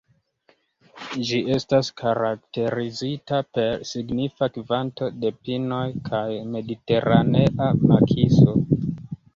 Ĝi estas karakterizita per signifa kvanto de pinoj kaj mediteranea makiso.